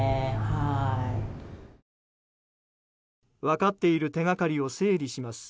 分かっている手がかりを整理します。